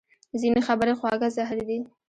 ځینې خبرې خواږه زهر دي